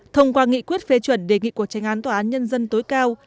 thông qua nghị quyết phê chuẩn đề nghị của tranh án tòa án nhân dân tối cao